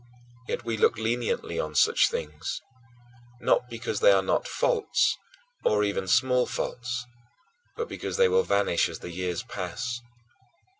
Yet we look leniently on such things, not because they are not faults, or even small faults, but because they will vanish as the years pass.